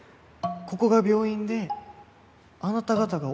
ここが病院であなた方がお隣さんで？